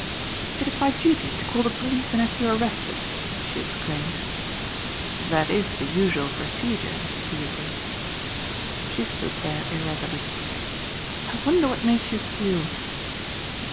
"It is my duty to call the police and have you arrested," she exclaimed. "That is the usual procedure," he agreed. She stood there irresolute. "I wonder what makes you steal!"